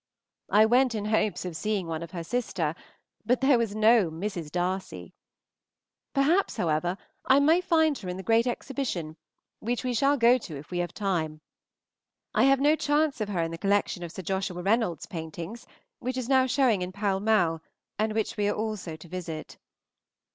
I went in hopes of seeing one of her sister, but there was no Mrs. Darcy. Perhaps, however, I may find her in the great exhibition, which we shall go to if we have time. I have no chance of her in the collection of Sir Joshua Reynolds's paintings, which is now showing in Pall Mall, and which we are also to visit.